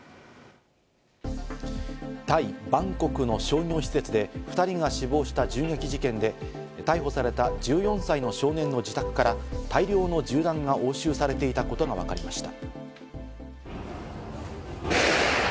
タイ・バンコクの商業施設で２人が死亡した銃撃事件で、逮捕された１４歳の少年の自宅から大量の銃弾が押収されていたことがわかりました。